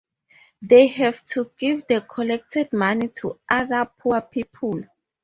They have to give the collected money to other poor people.